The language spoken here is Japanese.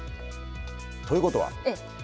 ということは？